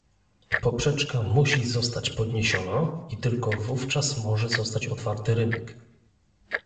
Poprzeczka musi zostać podniesiona i tylko wówczas może zostać otwarty rynek